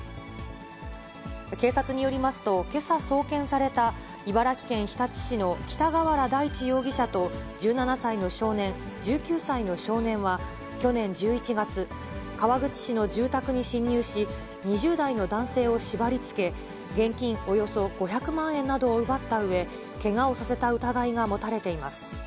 警察によりますと、けさ送検された茨城県日立市の北河原大地容疑者と、１７歳の少年、１９歳の少年は、去年１１月、川口市の住宅に侵入し、２０代の男性を縛りつけ、現金およそ５００万円などを奪ったうえ、けがをさせた疑いが持たれています。